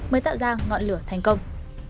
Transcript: mới tạo ra ngọn lửa thành công